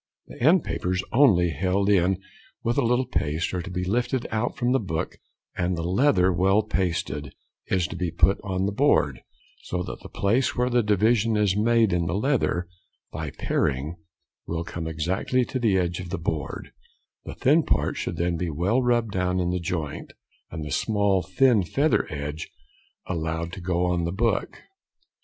The end papers, only held in with a little paste, are to be lifted out from the book, and the leather well pasted is to be put on the board, so that the place where the division is made in the leather by paring will come exactly to the edge of the board; the thin part should then be well rubbed down in the joint, and the small thin feather edge allowed to go on the book.